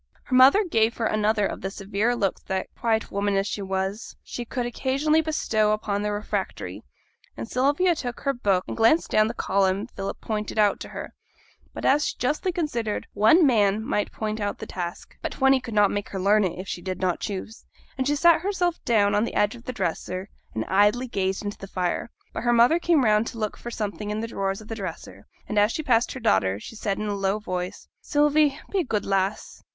Her mother gave her another of the severe looks that, quiet woman as she was, she could occasionally bestow upon the refractory, and Sylvia took her book and glanced down the column Philip pointed out to her; but, as she justly considered, one man might point out the task, but twenty could not make her learn it, if she did not choose; and she sat herself down on the edge of the dresser, and idly gazed into the fire. But her mother came round to look for something in the drawers of the dresser, and as she passed her daughter she said in a low voice 'Sylvie, be a good lass.